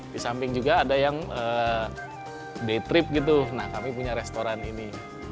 di samping juga ada yang day trip gitu nah kami punya restoran ini